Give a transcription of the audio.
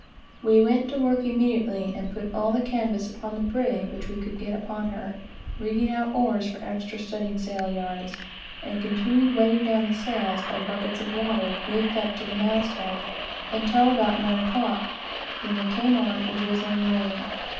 We went to work immediately, and put all the canvas upon the brig which we could get upon her, rigging out oars for studding sail yards; and continued wetting down the sails by buckets of water whipped up to the mast head, until about nine o'clock, when there came on a drizzling rain.